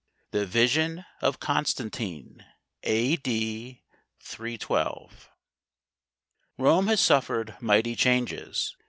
THE VISION OF CONSTANTINE, A. D. 312. T3OME has suffered mighty changes.